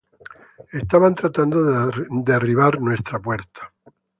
Estaban tratando de derribar nuestra puerta".